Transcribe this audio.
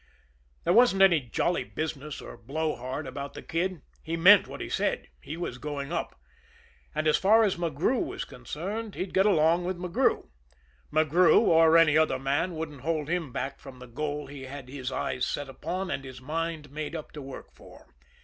There wasn't any jolly business or blowhard about the Kid. He meant what he said he was going up. And as far as McGrew was concerned, he'd get along with McGrew. McGrew, or any other man, wouldn't hold him back from the goal he had his eyes set upon and his mind made up to work for.